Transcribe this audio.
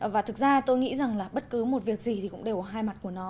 và thực ra tôi nghĩ rằng là bất cứ một việc gì